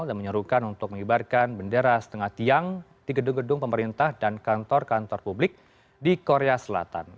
dan menyerukan untuk mengibarkan bendera setengah tiang di gedung gedung pemerintah dan kantor kantor publik di korea selatan